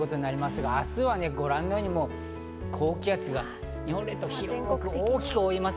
明日はご覧のように高気圧が日本列島を広く大きく覆います。